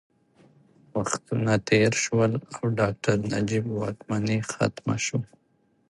وختونه تېر شول او ډاکټر نجیب واکمني ختمه شوه